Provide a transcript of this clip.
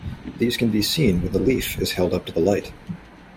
These can be seen when the leaf is held up to the light.